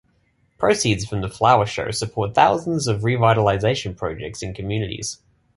Proceeds from the Flower Show support thousands of revitalization projects in communities.